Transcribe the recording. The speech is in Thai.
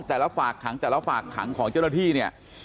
ฝากขังแต่ละฝากขังของเจ้าหน้าที่เนี่ย